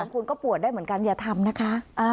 คุณก็ปวดได้เหมือนกันอย่าทำนะคะ